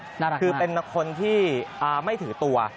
น่ารักคือเป็นคนที่ไม่ถือตัว